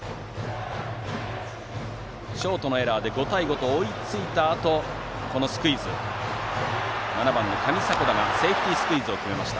ショートのエラーで５対５と追いついたあと７番の上迫田がセーフティースクイズを決めました。